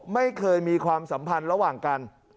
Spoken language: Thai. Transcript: ไม่เคยมีความสัมพันธ์ระหว่างกัน